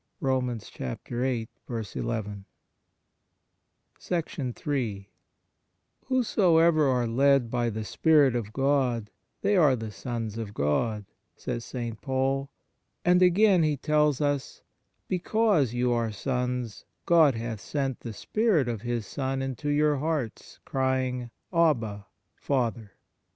2 Ill "\ T 7 HOSOEVER are led by the Spirit \V of God, they are the sons of God," says St. Paul; and, again, he tells us: " Because you are sons, God hath sent the Spirit of His Son into your hearts, crying : Abba, Father."